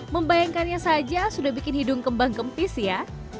membayangkannya saja sudah bikin hidung kembang kempis ya